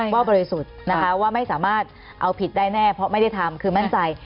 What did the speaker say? บริสุทธิ์นะคะว่าไม่สามารถเอาผิดได้แน่เพราะไม่ได้ทำคือมั่นใจ